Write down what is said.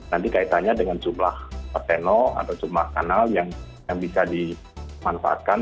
nanti kaitannya dengan jumlah perseno atau jumlah kanal yang bisa dimanfaatkan